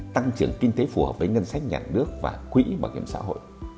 tăng trưởng kinh tế phù hợp với ngân sách nhà nước và quỹ bảo hiểm xã hội